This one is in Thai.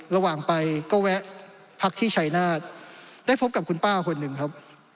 ระหว่างไปก็แวะพักที่ชัยนาฏได้พบกับคุณป้าคนหนึ่งครับ